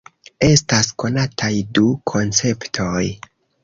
Estas konataj du konceptoj.